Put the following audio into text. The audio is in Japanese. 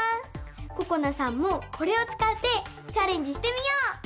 ここなさんもこれをつかってチャレンジしてみよう！